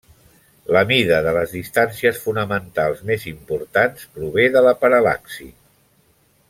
La mida de les distàncies fonamentals més importants prové de la paral·laxi.